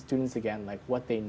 seperti apa yang mereka tahu